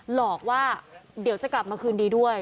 หลอกว่าเดี๋ยวจะกลับมาคืนดีด้วย